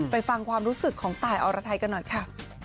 ฟังความรู้สึกของตายอรไทยกันหน่อยค่ะ